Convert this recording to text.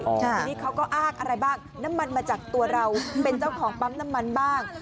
ทีนี้เขาก็อ้างอะไรบ้างน้ำมันมาจากตัวเราเป็นเจ้าของปั๊มน้ำมันบ้าง